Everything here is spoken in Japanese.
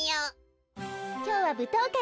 きょうはぶとうかいですわね。